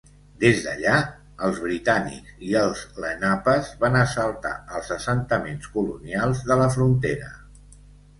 Des d'allà, els britànics i els lenapes van assaltar els assentaments colonials de la frontera.